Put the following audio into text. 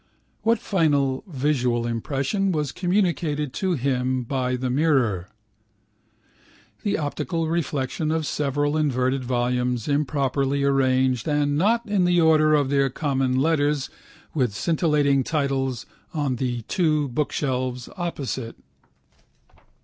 What final visual impression was communicated to him by the mirror? The optical reflection of several inverted volumes improperly arranged and not in the order of their common letters with scintillating titles on the two bookshelves opposite.